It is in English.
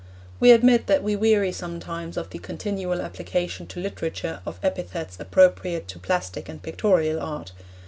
We admit that we weary sometimes of the continual application to literature of epithets appropriate to plastic and pictorial art.